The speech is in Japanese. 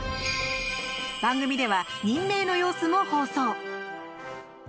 番組では、任命の様子も放送。